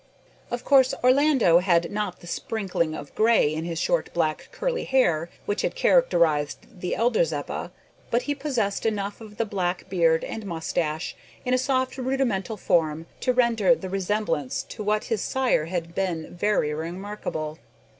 Of course Orlando had not the sprinkling of grey in his short black curly hair which had characterised the elder Zeppa; but he possessed enough of the black beard and moustache, in a soft rudimental form, to render the resemblance to what his sire had been very remarkable.